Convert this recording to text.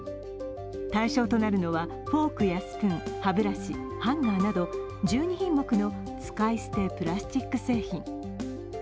対象となるのは、フォークやスプーン、歯ブラシ、ハンガーなど１２品目の使い捨てプラスチック製品。